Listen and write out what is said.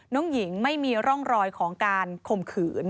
น้องหญิงไม่มีร่องรอยของการข่มขืน